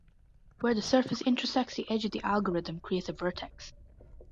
Where the surface intersects the edge the algorithm creates a vertex.